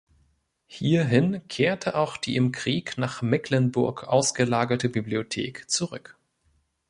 Hierhin kehrte auch die im Krieg nach Mecklenburg ausgelagerte Bibliothek zurück.